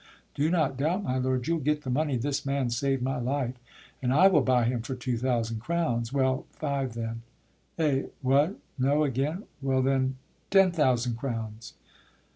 do not doubt, my lord, You'll get the money, this man saved my life, And I will buy him for two thousand crowns; Well, five then: eh! what! No again? well then, Ten thousand crowns?